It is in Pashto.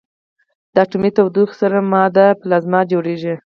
د اټومي تودوخې سره ماده پلازما جوړېږي.